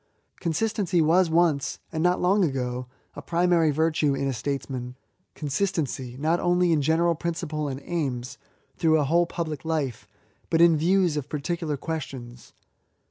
Consistency was once, and not long ago, a primary virtue in a Statesman, — consistency, not only in general principle and aims, through a whole public life, but in views of particular ques tions.